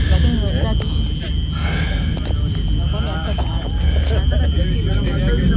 Kwenye Tuzo la Wanamziki Duniani na Msanii bora wa Mwaka